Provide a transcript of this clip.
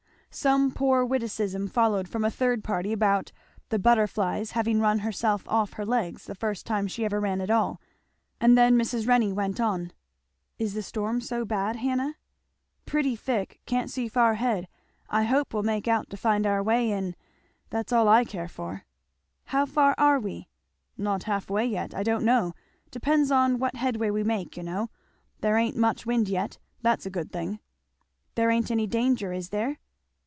Some poor witticism followed from a third party about the 'Butterfly's' having run herself off her legs the first time she ever ran at all; and then Mrs. Renney went on. "Is the storm so bad, Hannah?" "Pretty thick can't see far ahead I hope we'll make out to find our way in that's all I care for." "How far are we?" "Not half way yet I don't know depends on what headway we make, you know; there ain't much wind yet, that's a good thing." "There ain't any danger, is there?"